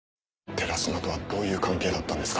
寺島とはどういう関係だったんですか？